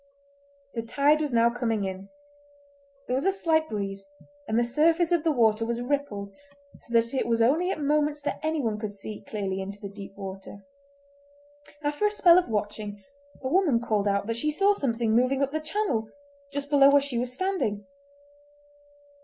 The tide was now coming in. There was a slight breeze, and the surface of the water was rippled so that it was only at moments that anyone could see clearly into the deep water. After a spell of watching a woman called out that she saw something moving up the channel, just below where she was standing.